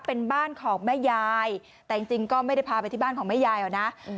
เป็นบ้านของแม่ยายแต่จริงก็ไม่ได้พาไปที่บ้านของแม่ยายหรอกนะ